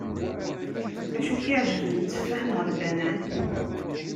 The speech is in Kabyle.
Acu i k-iεeǧben, tteffaḥ neɣ lbanan?